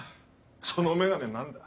その眼鏡何だ？